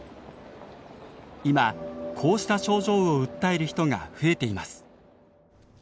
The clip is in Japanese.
今こうした症状を訴える人が増えています。